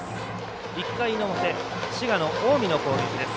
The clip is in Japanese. １回の表、滋賀の近江の攻撃です。